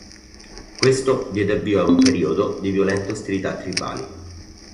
Questo diede avvio a un periodo di violente ostilità tribali.